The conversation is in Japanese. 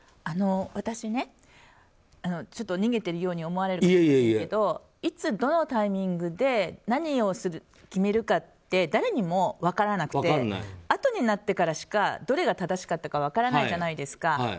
私ね、逃げているように思われるかもなんですけどいつどのタイミングで何を決めるかって誰にも分からなくてあとになってからしかどれが正しかったか分からないじゃないですか。